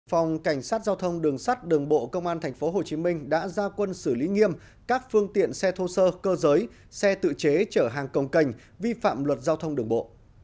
phòng cảnh sát giao thông đường sắt đường bộ công an tp hcm đã ra quân xử lý nghiêm các phương tiện xe thô sơ cơ giới xe tự chế chở hàng công cành vi phạm luật giao thông đường bộ